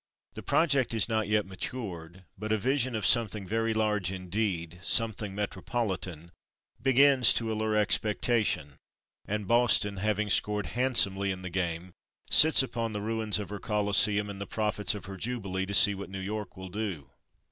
The project is not yet matured; but a vision of something very large indeed, something "metropolitan," begins to allure expectation; and Boston, having scored handsomely in the game, sits upon the ruins of her Coliseum and the profits of her Jubilee to see what New York will do.